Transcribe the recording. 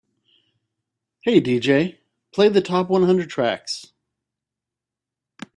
"Hey DJ, play the top one hundred tracks"